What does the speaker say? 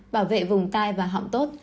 bảo vệ vùng tai và họng tốt